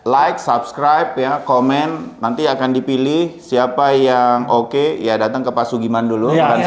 like subscribe ya komen nanti akan dipilih siapa yang oke ya datang ke pak sugiman dulu